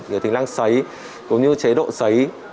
nhiều tính năng xấy cũng như chế độ xấy